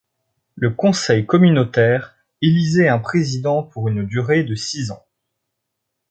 Le conseil communautaire élisait un président pour une durée de six ans.